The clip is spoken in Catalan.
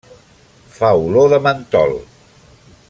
Fa olor de mentol.